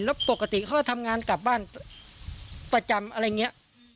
แล้วปกติเขาก็ทำงานกลับบ้านประจำอะไรอย่างนี้